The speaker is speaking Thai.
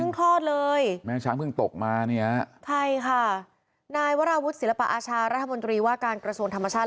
คลอดเลยแม่ช้างเพิ่งตกมาเนี่ยใช่ค่ะนายวราวุฒิศิลปะอาชารัฐมนตรีว่าการกระทรวงธรรมชาติ